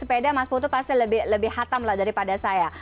sepeda mas putu pasti lebih hatam lah daripada saya